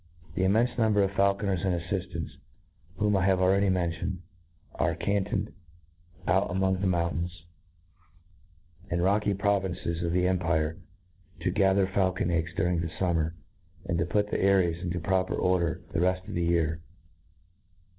The immenfe num ber of faulconers and aflfiftants, whom I have al ready mentioned, arc cantoned gut among the mountsunS) 94 INTftODUCTIOl^. mountains, and rocky provinces of the empire j to gather faulcon eggs during the fummer, and to put the eyries into proper order the reft of the year.